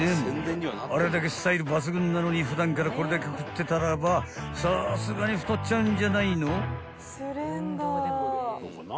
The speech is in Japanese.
あれだけスタイル抜群なのに普段からこれだけ食ってたらばさすがに太っちゃうんじゃないの？］